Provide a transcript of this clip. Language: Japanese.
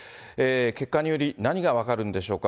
結果により、何が分かるんでしょうか。